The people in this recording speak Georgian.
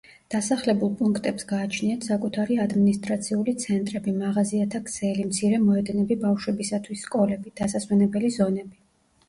დასახლებულ პუნქტებს გააჩნიათ საკუთარი ადმინისტრაციული ცენტრები, მაღაზიათა ქსელი, მცირე მოედნები ბავშვებისათვის, სკოლები, დასასვენებელი ზონები.